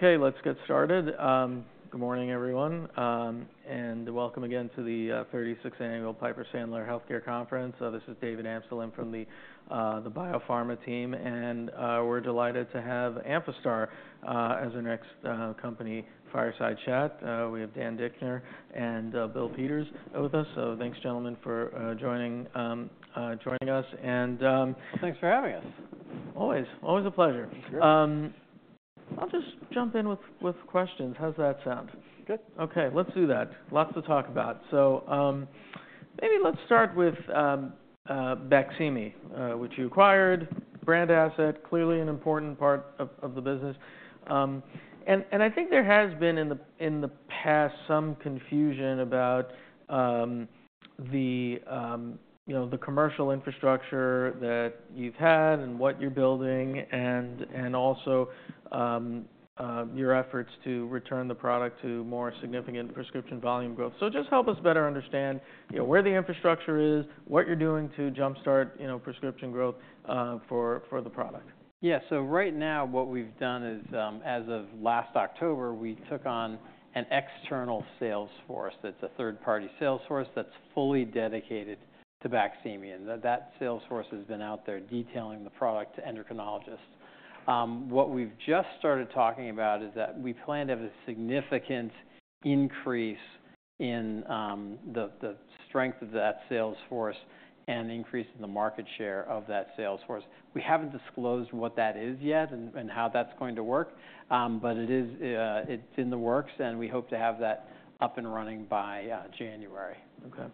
Okay, let's get started. Good morning, everyone, and welcome again to the 36th Annual Piper Sandler Healthcare Conference. This is David Amsellem from the biopharma team, and we're delighted to have Amphastar as our next company fireside chat. We have Dan Dischner and Bill Peters with us, so thanks, gentlemen, for joining us. Thanks for having us. Always, always a pleasure. I'll just jump in with questions. How's that sound? Good. Okay, let's do that. Lots to talk about. So maybe let's start with Baqsimi, which you acquired, branded asset, clearly an important part of the business. And I think there has been in the past some confusion about the commercial infrastructure that you've had and what you're building, and also your efforts to return the product to more significant prescription volume growth. So just help us better understand where the infrastructure is, what you're doing to jumpstart prescription growth for the product. Yeah, so right now what we've done is, as of last October, we took on an external sales force that's a third-party sales force that's fully dedicated to Baqsimi. And that sales force has been out there detailing the product to endocrinologists. What we've just started talking about is that we plan to have a significant increase in the strength of that sales force and increase in the market share of that sales force. We haven't disclosed what that is yet and how that's going to work, but it's in the works, and we hope to have that up and running by January. Okay.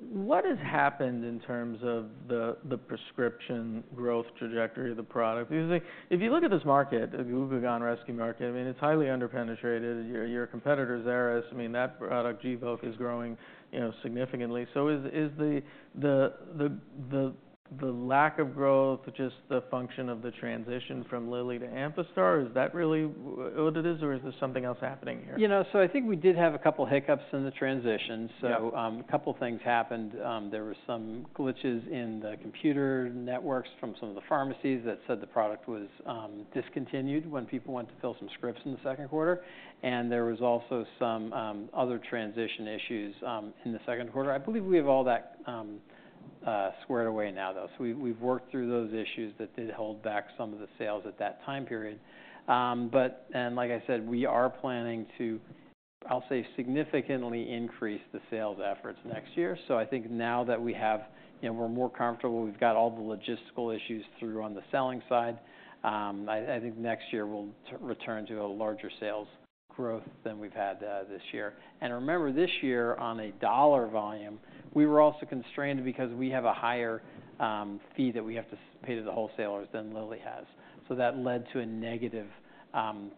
What has happened in terms of the prescription growth trajectory of the product? If you look at this market, the glucagon rescue market, I mean, it's highly underpenetrated. Your competitors, Xeris, I mean, that product, Gvoke, is growing significantly. So is the lack of growth just the function of the transition from Lilly to Amphastar? Is that really what it is, or is there something else happening here? You know, so I think we did have a couple hiccups in the transition. So a couple things happened. There were some glitches in the computer networks from some of the pharmacies that said the product was discontinued when people went to fill some scripts in the second quarter. And there were also some other transition issues in the second quarter. I believe we have all that squared away now, though. So we've worked through those issues that did hold back some of the sales at that time period. And like I said, we are planning to, I'll say, significantly increase the sales efforts next year. So I think now that we have, we're more comfortable. We've got all the logistical issues through on the selling side. I think next year we'll return to a larger sales growth than we've had this year. And remember, this year, on a dollar volume, we were also constrained because we have a higher fee that we have to pay to the wholesalers than Lilly has. So that led to a negative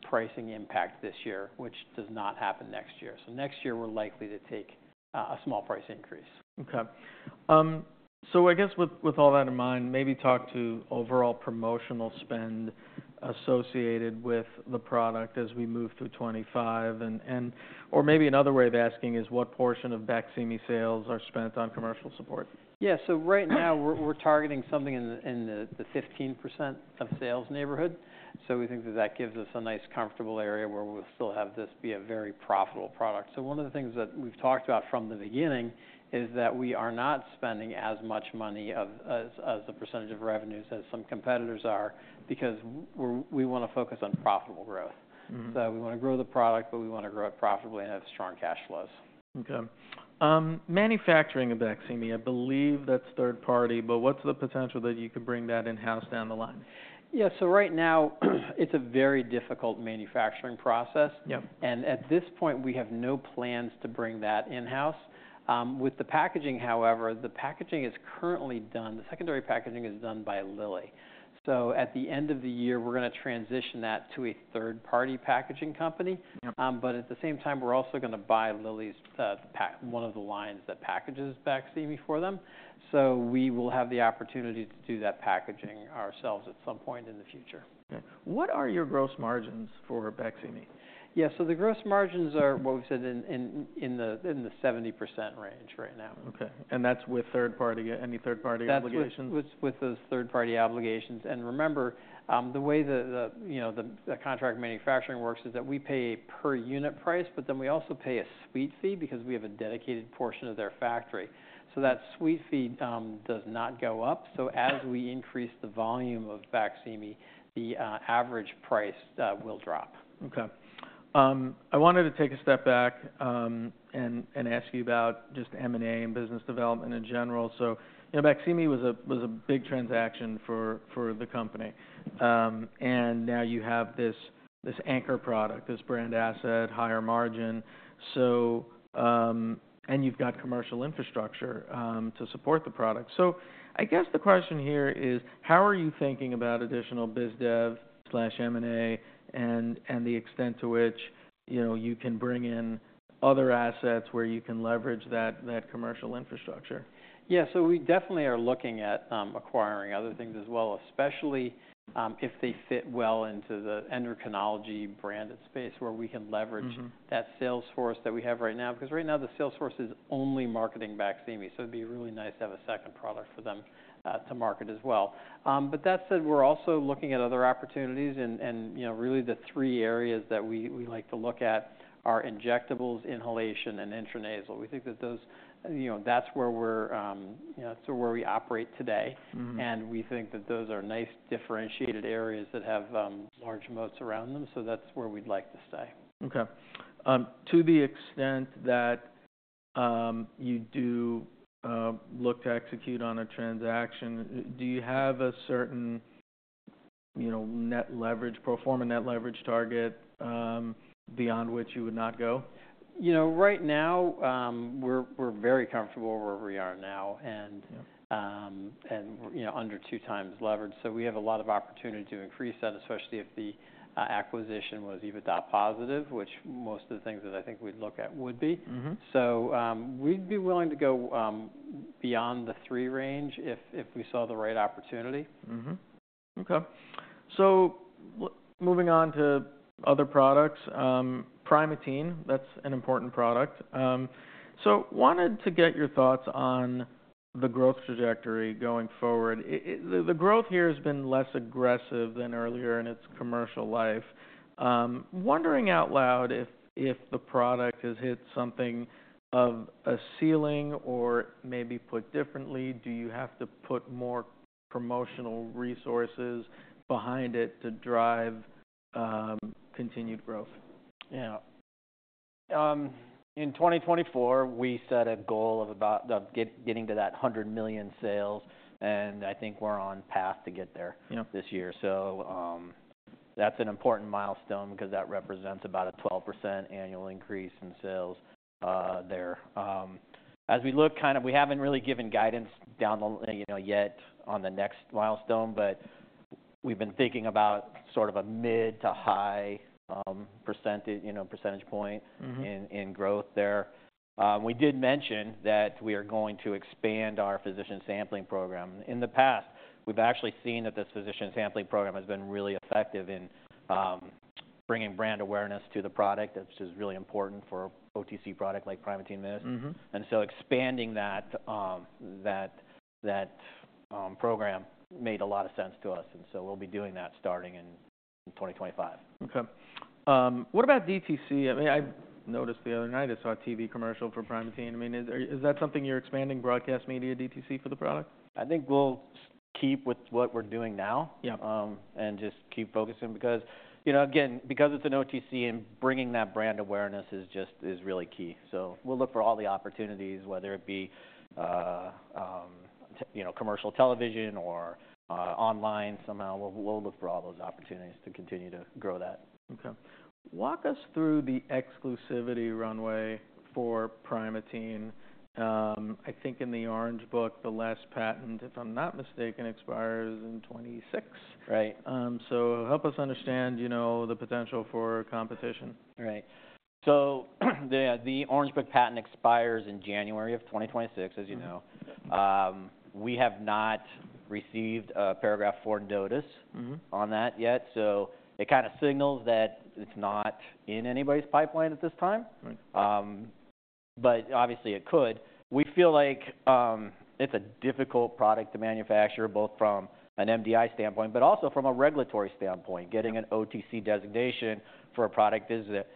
pricing impact this year, which does not happen next year. So next year we're likely to take a small price increase. Okay, so I guess with all that in mind, maybe talk to overall promotional spend associated with the product as we move through 2025, or maybe another way of asking is what portion of Baqsimi sales are spent on commercial support? Yeah, so right now we're targeting something in the 15% of sales neighborhood. So we think that that gives us a nice comfortable area where we'll still have this be a very profitable product. So one of the things that we've talked about from the beginning is that we are not spending as much money as the percentage of revenues as some competitors are because we want to focus on profitable growth. So we want to grow the product, but we want to grow it profitably and have strong cash flows. Okay. Manufacturing of Baqsimi, I believe that's third-party, but what's the potential that you could bring that in-house down the line? Yeah, so right now it's a very difficult manufacturing process. And at this point we have no plans to bring that in-house. With the packaging, however, the packaging is currently done, the secondary packaging is done by Lilly. So at the end of the year we're going to transition that to a third-party packaging company. But at the same time we're also going to buy Lilly's one of the lines that packages Baqsimi for them. So we will have the opportunity to do that packaging ourselves at some point in the future. What are your gross margins for Baqsimi? Yeah, so the gross margins are what we've said in the 70% range right now. Okay. And that's with third-party, any third-party obligations? That's with those third-party obligations. And remember, the way that contract manufacturing works is that we pay a per-unit price, but then we also pay a suite fee because we have a dedicated portion of their factory. So that suite fee does not go up. So as we increase the volume of Baqsimi, the average price will drop. Okay. I wanted to take a step back and ask you about just M&A and business development in general. So Baqsimi was a big transaction for the company. And now you have this anchor product, this brand asset, higher margin. And you've got commercial infrastructure to support the product. So I guess the question here is how are you thinking about additional biz dev/M&A and the extent to which you can bring in other assets where you can leverage that commercial infrastructure? Yeah, so we definitely are looking at acquiring other things as well, especially if they fit well into the endocrinology branded space where we can leverage that sales force that we have right now. Because right now the sales force is only marketing Baqsimi, so it'd be really nice to have a second product for them to market as well. But that said, we're also looking at other opportunities. And really the three areas that we like to look at are injectables, inhalation, and intranasal. We think that those, that's where we're, that's where we operate today. And we think that those are nice differentiated areas that have large moats around them. So that's where we'd like to stay. Okay. To the extent that you do look to execute on a transaction, do you have a certain net leverage, pro forma net leverage target beyond which you would not go? You know, right now we're very comfortable where we are now and under two times leverage. So we have a lot of opportunity to increase that, especially if the acquisition was EBITDA positive, which most of the things that I think we'd look at would be. So we'd be willing to go beyond the three range if we saw the right opportunity. Okay, so moving on to other products, Primatene, that's an important product, so wanted to get your thoughts on the growth trajectory going forward. The growth here has been less aggressive than earlier in its commercial life. Wondering out loud if the product has hit something of a ceiling or maybe put differently, do you have to put more promotional resources behind it to drive continued growth? Yeah. In 2024 we set a goal of about getting to that $100 million sales, and I think we're on pace to get there this year. So that's an important milestone because that represents about a 12% annual increase in sales there. As we look, kind of we haven't really given guidance out yet on the next milestone, but we've been thinking about sort of a mid- to high- percentage point in growth there. We did mention that we are going to expand our physician sampling program. In the past, we've actually seen that this physician sampling program has been really effective in bringing brand awareness to the product, which is really important for an OTC product like Primatene Mist. Expanding that program made a lot of sense to us. We'll be doing that starting in 2025. Okay. What about DTC? I mean, I noticed the other night I saw a TV commercial for Primatene. I mean, is that something you're expanding, broadcast media DTC for the product? I think we'll keep with what we're doing now and just keep focusing because, again, because it's an OTC and bringing that brand awareness is just really key. So we'll look for all the opportunities, whether it be commercial television or online somehow. We'll look for all those opportunities to continue to grow that. Okay. Walk us through the exclusivity runway for Primatene. I think in the Orange Book, the last patent, if I'm not mistaken, expires in 2026. So help us understand the potential for competition. Right. So the Orange Book patent expires in January of 2026, as you know. We have not received a paragraph four notice on that yet. So it kind of signals that it's not in anybody's pipeline at this time. But obviously it could. We feel like it's a difficult product to manufacture, both from an MDI standpoint, but also from a regulatory standpoint, getting an OTC designation for a product is that.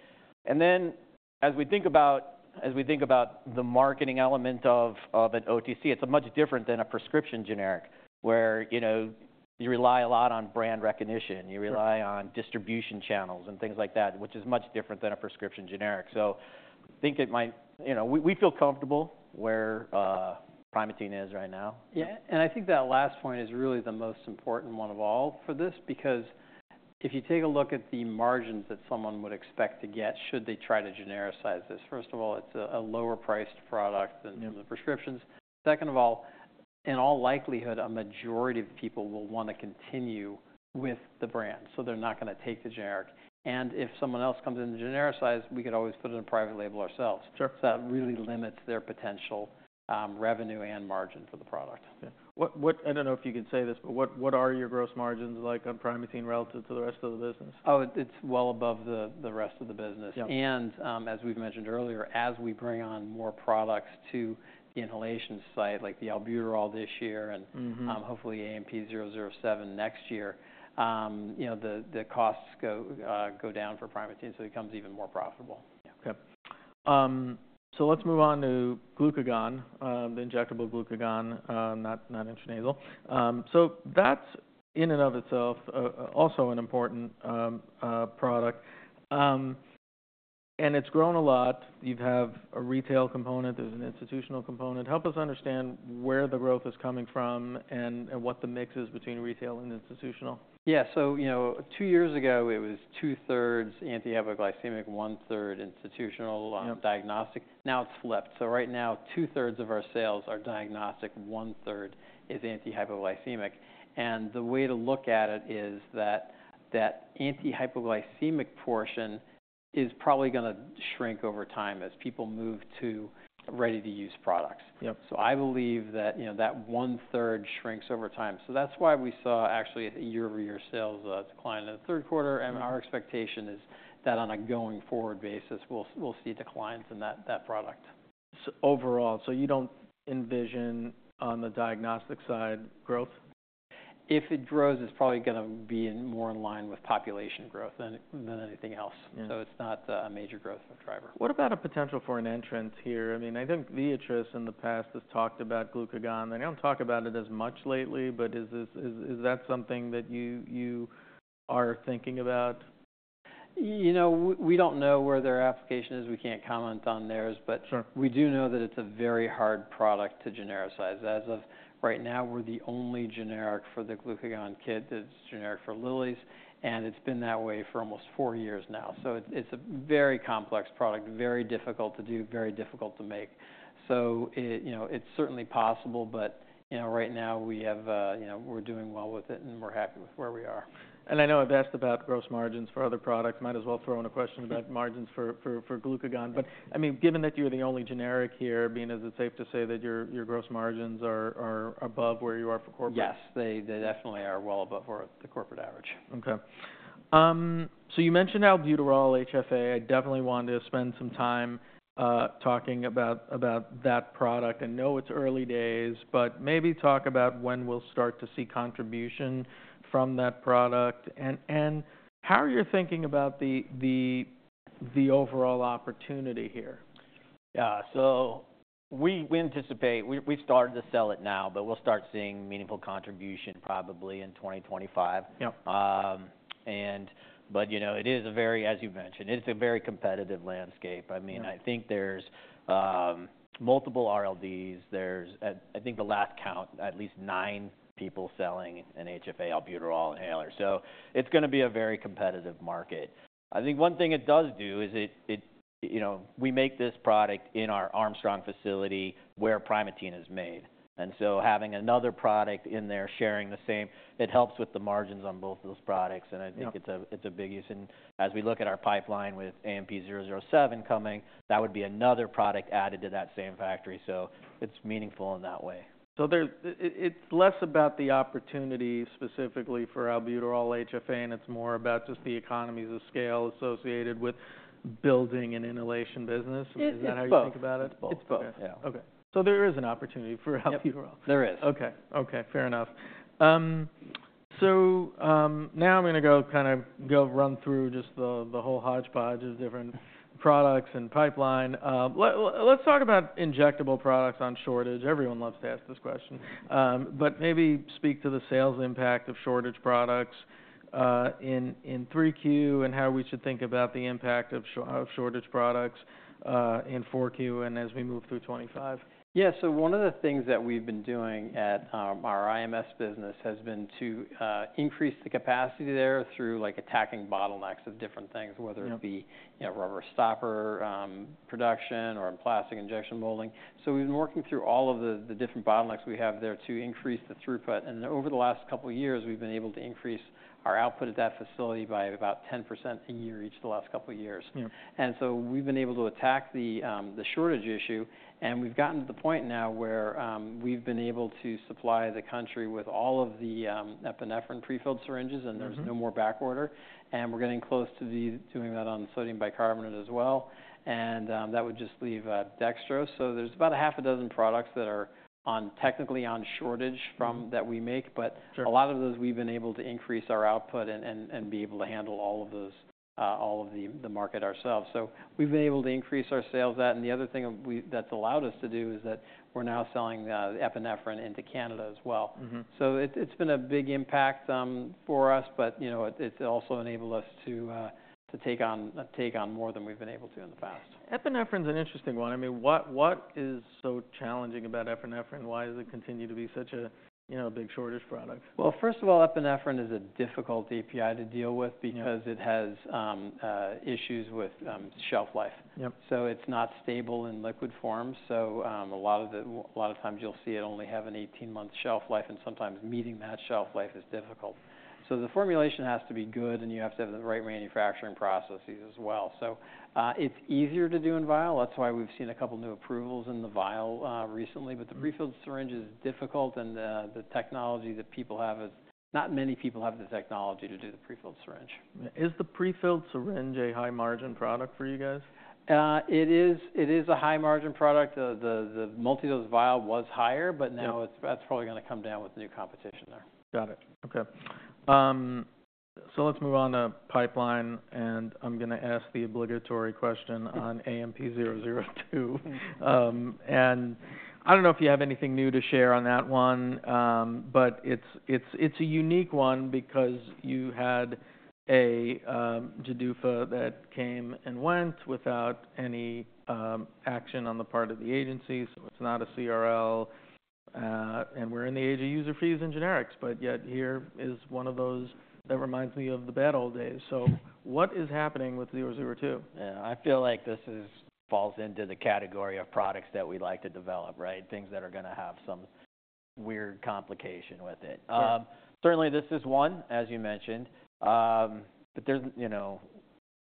And then as we think about the marketing element of an OTC, it's much different than a prescription generic where you rely a lot on brand recognition. You rely on distribution channels and things like that, which is much different than a prescription generic. So I think it might, we feel comfortable where Primatene is right now. Yeah. I think that last point is really the most important one of all for this because if you take a look at the margins that someone would expect to get should they try to genericize this. First of all, it's a lower-priced product than the prescriptions. Second of all, in all likelihood, a majority of people will want to continue with the brand. They're not going to take the generic. If someone else comes in to genericize, we could always put it in a private label ourselves. That really limits their potential revenue and margin for the product. I don't know if you can say this, but what are your gross margins like on Primatene relative to the rest of the business? Oh, it's well above the rest of the business. And as we've mentioned earlier, as we bring on more products to the inhalation site, like the albuterol this year and hopefully AMP-007 next year, the costs go down for Primatene, so it becomes even more profitable. Okay. So let's move on to glucagon, the injectable glucagon, not intranasal. So that's in and of itself also an important product. And it's grown a lot. You have a retail component, there's an institutional component. Help us understand where the growth is coming from and what the mix is between retail and institutional? Yeah. So two years ago it was two-thirds anti-hypoglycemic, one-third institutional diagnostic. Now it's flipped. So right now two-thirds of our sales are diagnostic, one-third is anti-hypoglycemic. And the way to look at it is that that anti-hypoglycemic portion is probably going to shrink over time as people move to ready-to-use products. So I believe that that one-third shrinks over time. So that's why we saw actually year-over-year sales decline in the third quarter. And our expectation is that on a going-forward basis we'll see declines in that product. Overall, so you don't envision on the diagnostic side growth? If it grows, it's probably going to be more in line with population growth than anything else. So it's not a major growth driver. What about a potential for an entrance here? I mean, I think Viatris in the past has talked about glucagon. They don't talk about it as much lately, but is that something that you are thinking about? You know, we don't know where their application is. We can't comment on theirs. But we do know that it's a very hard product to genericize. As of right now, we're the only generic for the glucagon kit that's generic for Lilly's. And it's been that way for almost four years now. So it's a very complex product, very difficult to do, very difficult to make. So it's certainly possible, but right now we're doing well with it and we're happy with where we are. I know I've asked about gross margins for other products. Might as well throw in a question about margins for glucagon. But I mean, given that you're the only generic here, being is it safe to say that your gross margins are above where you are for corporate? Yes, they definitely are well above the corporate average. Okay. So you mentioned Albuterol HFA. I definitely wanted to spend some time talking about that product. I know it's early days, but maybe talk about when we'll start to see contribution from that product and how you're thinking about the overall opportunity here. Yeah. So we anticipate, we've started to sell it now, but we'll start seeing meaningful contribution probably in 2025. But it is a very, as you mentioned, it's a very competitive landscape. I mean, I think there's multiple RLDs. There's, I think the last count, at least nine people selling an HFA albuterol inhaler. So it's going to be a very competitive market. I think one thing it does do is we make this product in our Armstrong facility where Primatene is made. And so having another product in there sharing the same, it helps with the margins on both of those products. And I think it's a big use. And as we look at our pipeline with AMP-007 coming, that would be another product added to that same factory. So it's meaningful in that way. So it's less about the opportunity specifically for Albuterol HFA and it's more about just the economies of scale associated with building an inhalation business. Is that how you think about it? It's both. Okay, so there is an opportunity for Albuterol. There is. Okay. Okay. Fair enough. So now I'm going to go kind of run through just the whole hodgepodge of different products and pipeline. Let's talk about injectable products on shortage. Everyone loves to ask this question. But maybe speak to the sales impact of shortage products in 3Q and how we should think about the impact of shortage products in 4Q and as we move through 2025. Yeah. So one of the things that we've been doing at our IMS business has been to increase the capacity there through attacking bottlenecks of different things, whether it be rubber stopper production or plastic injection molding. So we've been working through all of the different bottlenecks we have there to increase the throughput. And over the last couple of years, we've been able to increase our output at that facility by about 10% a year each the last couple of years. And so we've been able to attack the shortage issue. And we've gotten to the point now where we've been able to supply the country with all of the epinephrine prefilled syringes and there's no more backorder. And we're getting close to doing that on sodium bicarbonate as well. And that would just leave dextrose. So there's about half a dozen products that are technically on shortage that we make. But a lot of those we've been able to increase our output and be able to handle all of the market ourselves. So we've been able to increase our sales that. And the other thing that's allowed us to do is that we're now selling epinephrine into Canada as well. So it's been a big impact for us, but it's also enabled us to take on more than we've been able to in the past. Epinephrine's an interesting one. I mean, what is so challenging about epinephrine? Why does it continue to be such a big shortage product? First of all, epinephrine is a difficult API to deal with because it has issues with shelf life. So it's not stable in liquid form. So a lot of times you'll see it only have an 18-month shelf life and sometimes meeting that shelf life is difficult. So the formulation has to be good and you have to have the right manufacturing processes as well. So it's easier to do in vial. That's why we've seen a couple of new approvals in the vial recently. But the prefilled syringe is difficult and not many people have the technology to do the prefilled syringe. Is the prefilled syringe a high-margin product for you guys? It is a high-margin product. The multi-dose vial was higher, but now that's probably going to come down with new competition there. Got it. Okay. So let's move on to pipeline and I'm going to ask the obligatory question on AMP-002. And I don't know if you have anything new to share on that one, but it's a unique one because you had a GDUFA that came and went without any action on the part of the agency. So it's not a CRL and we're in the age of user fees and generics, but yet here is one of those that reminds me of the bad old days. So what is happening with 002? Yeah. I feel like this falls into the category of products that we'd like to develop, right? Things that are going to have some weird complication with it. Certainly this is one, as you mentioned, but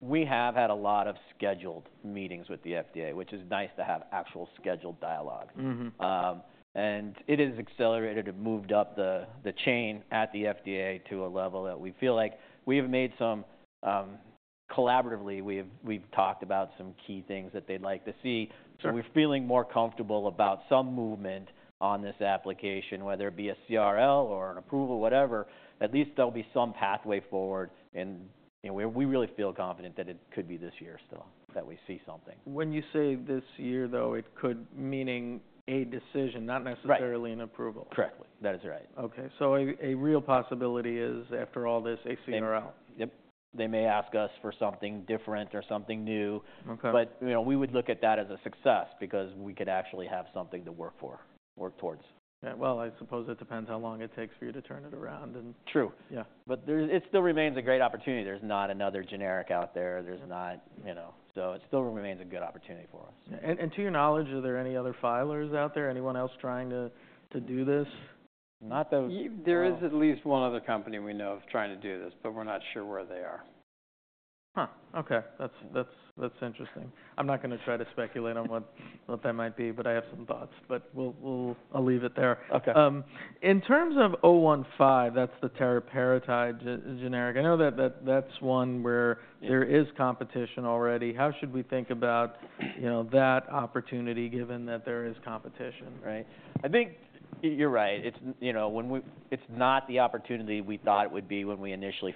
we have had a lot of scheduled meetings with the FDA, which is nice to have actual scheduled dialogue, and it has accelerated and moved up the chain at the FDA to a level that we feel like we have made some collaboratively. We've talked about some key things that they'd like to see, so we're feeling more comfortable about some movement on this application, whether it be a CRL or an approval, whatever. At least there'll be some pathway forward, and we really feel confident that it could be this year still that we see something. When you say this year though, it could mean a decision, not necessarily an approval. Correct. That is right. Okay. So a real possibility is after all this a CRL. Yep. They may ask us for something different or something new. But we would look at that as a success because we could actually have something to work for, work towards. Yeah. Well, I suppose it depends how long it takes for you to turn it around. True. But it still remains a great opportunity. There's not another generic out there. There's not, you know, so it still remains a good opportunity for us. To your knowledge, are there any other filers out there? Anyone else trying to do this? Not that there is at least one other company we know of trying to do this, but we're not sure where they are. Huh. Okay. That's interesting. I'm not going to try to speculate on what that might be, but I have some thoughts, but I'll leave it there. In terms of 015, that's the teriparatide generic. I know that that's one where there is competition already. How should we think about that opportunity given that there is competition, right? I think you're right. It's not the opportunity we thought it would be when we initially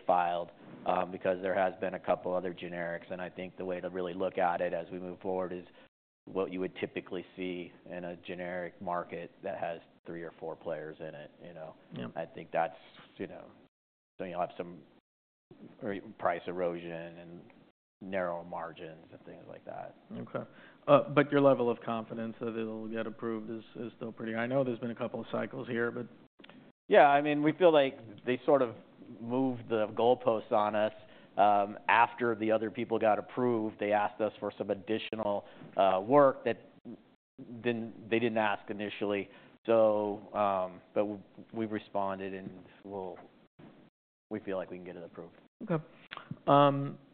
filed because there has been a couple of other generics. And I think the way to really look at it as we move forward is what you would typically see in a generic market that has three or four players in it. I think that's, you know, so you'll have some price erosion and narrow margins and things like that. Okay. But your level of confidence that it'll get approved is still pretty. I know there's been a couple of cycles here, but. Yeah. I mean, we feel like they sort of moved the goalposts on us. After the other people got approved, they asked us for some additional work that they didn't ask initially. But we responded and we feel like we can get it approved. Okay,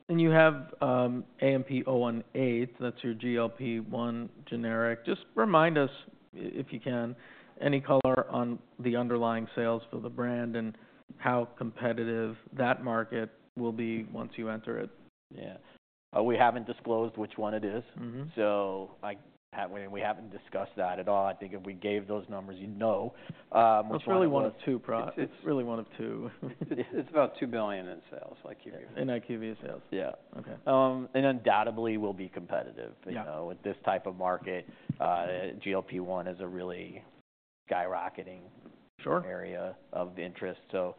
and you have AMP-018. That's your GLP-1 generic. Just remind us if you can, any color on the underlying sales for the brand and how competitive that market will be once you enter it? Yeah. We haven't disclosed which one it is. So we haven't discussed that at all. I think if we gave those numbers, you'd know. It's really one of two products. It's really one of two. It's about $2 billion in sales, like IQVIA. In IQVIA sales. Yeah. And undoubtedly we'll be competitive with this type of market. GLP-1 is a really skyrocketing area of interest. So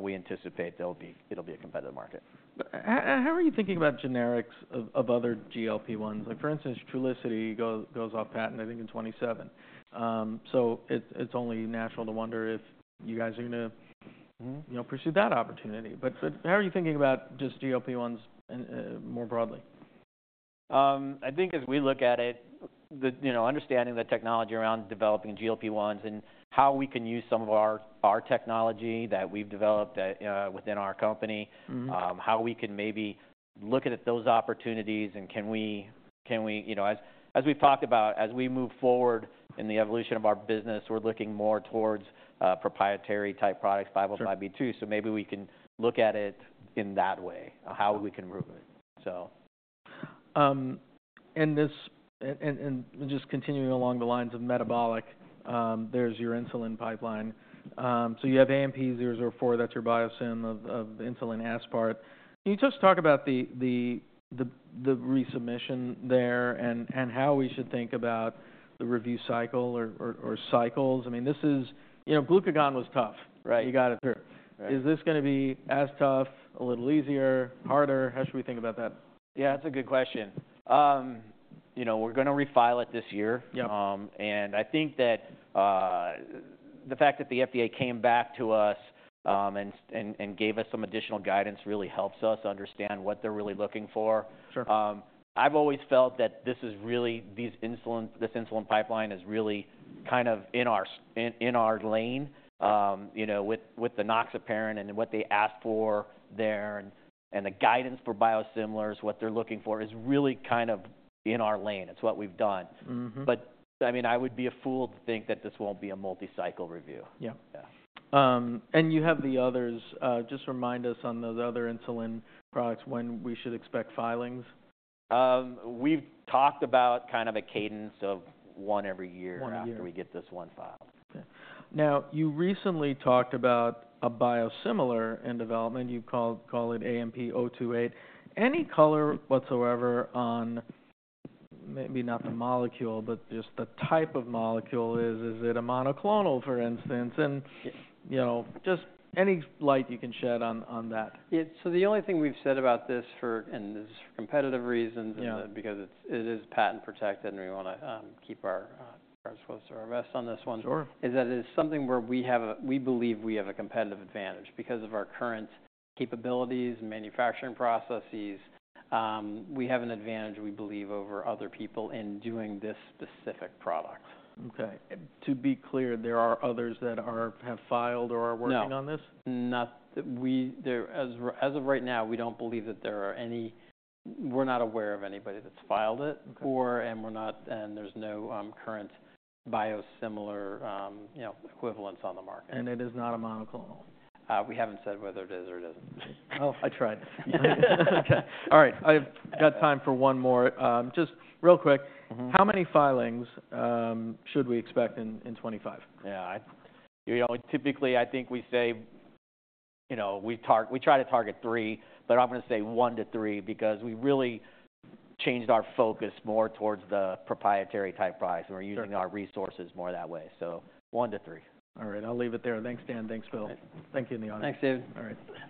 we anticipate it'll be a competitive market. How are you thinking about generics of other GLP-1s? Like for instance, Trulicity goes off patent, I think in 2027. So it's only natural to wonder if you guys are going to pursue that opportunity. But how are you thinking about just GLP-1s more broadly? I think as we look at it, understanding the technology around developing GLP-1s and how we can use some of our technology that we've developed within our company, how we can maybe look at those opportunities and can we, as we've talked about, as we move forward in the evolution of our business, we're looking more towards proprietary type products, 505(b)(2). So maybe we can look at it in that way, how we can improve it. Just continuing along the lines of metabolic, there's your insulin pipeline. So you have AMP-004, that's your biosimilar to insulin aspart. Can you just talk about the resubmission there and how we should think about the review cycle or cycles? I mean, this is glucagon was tough, right? You got it through. Is this going to be as tough, a little easier, harder? How should we think about that? Yeah, that's a good question. We're going to refile it this year, and I think that the fact that the FDA came back to us and gave us some additional guidance really helps us understand what they're really looking for. I've always felt that this insulin pipeline is really kind of in our lane with the enoxaparin and what they asked for there and the guidance for biosimilars, what they're looking for is really kind of in our lane. It's what we've done, but I mean, I would be a fool to think that this won't be a multi-cycle review. Yeah. And you have the others. Just remind us on those other insulin products when we should expect filings. We've talked about kind of a cadence of one every year after we get this one filed. Now, you recently talked about a biosimilar in development. You call it AMP-028. Any color whatsoever on maybe not the molecule, but just the type of molecule is it a monoclonal, for instance? And just any light you can shed on that? So the only thing we've said about this, and this is for competitive reasons because it is patent protected and we want to keep our cards close to our vest on this one, is that it is something where we believe we have a competitive advantage because of our current capabilities and manufacturing processes. We have an advantage, we believe, over other people in doing this specific product. Okay. To be clear, there are others that have filed or are working on this? No. As of right now, we don't believe that there are any, we're not aware of anybody that's filed it and there's no current biosimilar equivalents on the market. And it is not a monoclonal. We haven't said whether it is or it isn't. Oh, I tried. All right. I've got time for one more. Just real quick, how many filings should we expect in 2025? Yeah. Typically, I think we say we try to target three, but I'm going to say one to three because we really changed our focus more towards the proprietary type products and we're using our resources more that way. So one to three. All right. I'll leave it there. Thanks, Dan. Thanks, Bill. Thank you. It's an honor. Thanks, David. All right.